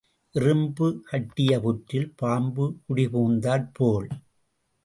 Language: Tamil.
எறும்பு கட்டிய புற்றில் பாம்பு குடிபுகுந்தாற் போல்.